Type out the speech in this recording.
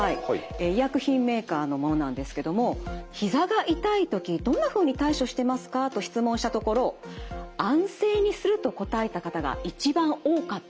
医薬品メーカーのものなんですけどもひざが痛い時どんなふうに対処してますか？と質問したところ「安静にする」と答えた方が一番多かったんです。